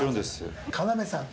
要さん。